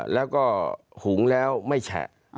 แล้วก็หุงแล้วไม่แฉะ